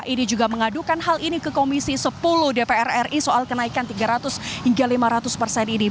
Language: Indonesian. ini juga mengadukan hal ini ke komisi sepuluh dpr ri soal kenaikan tiga ratus hingga lima ratus persen ini